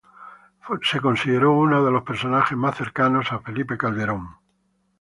Fue considerado uno de los personajes más cercanos a Felipe Calderón.